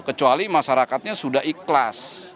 kecuali masyarakatnya sudah ikhlas